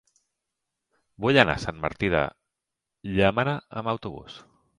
Vull anar a Sant Martí de Llémena amb autobús.